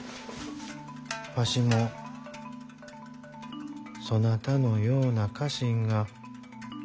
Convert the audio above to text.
わしもそなたのような家臣が欲しいのう。